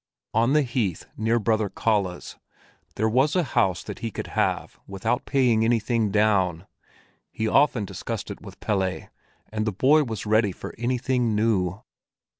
On the heath near Brother Kalle's, there was a house that he could have without paying anything down. He often discussed it with Pelle, and the boy was ready for anything new.